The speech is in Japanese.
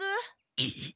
えっ！？